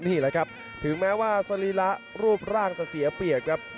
นี่แหละครับถึงแม้ว่าสรีระรูปร่างจะเสียเปรียบครับ